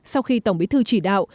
sau khi tổng bí thư chỉ đạo